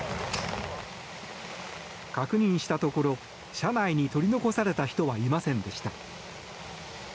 確認したところ車内に取り残された人はいませんでした。